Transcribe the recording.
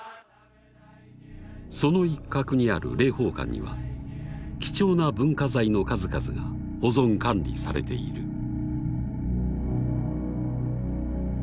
その一角にある霊宝館には貴重な文化財の数々が保存管理されている。